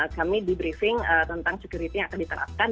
kami di briefing tentang security yang akan diterapkan